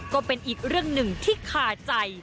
ก็เป็นอีกเรื่องหนึ่งที่คาใจ